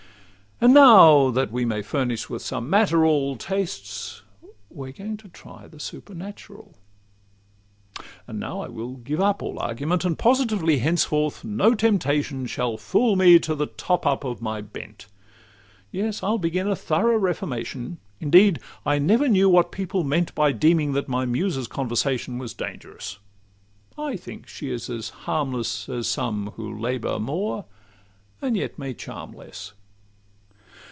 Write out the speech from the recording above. And now, that we may furnish with some matter all Tastes, we are going to try the supernatural. And now I will give up all argument; And positively henceforth no temptation Shall 'fool me to the top up of my bent:' Yes, I' ll begin a thorough reformation. Indeed, I never knew what people meant By deeming that my Muse's conversation Was dangerous;—I think she is as harmless As some who labour more and yet may charm less.